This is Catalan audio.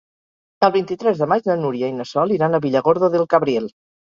El vint-i-tres de maig na Núria i na Sol iran a Villargordo del Cabriel.